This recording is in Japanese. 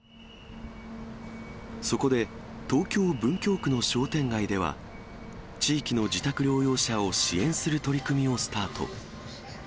そこで、東京・文京区の商店街では、地域の自宅療養者を支援する取り組みをスタート。